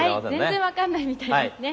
全然分かんないみたいですね。